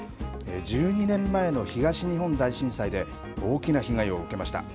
１２年前の東日本大震災で大きな被害を受けました。